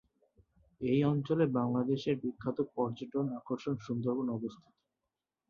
এই অঞ্চলে বাংলাদেশের বিখ্যাত পর্যটন আকর্ষণ সুন্দরবন অবস্থিত।